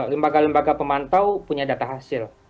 lembaga lembaga pemantau punya data hasil